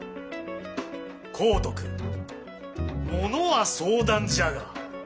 光徳ものは相談じゃが。